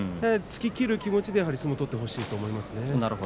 突ききる気持ちでやはり相撲取ってほしいと思いますね。